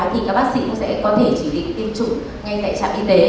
thì các bác sĩ cũng sẽ có thể chỉ định tiêm chủng ngay tại trạm y tế